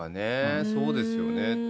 そうですよね。